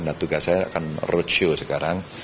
nah tugas saya akan roadshow sekarang